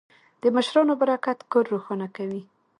د مشرانو برکت کور روښانه کوي.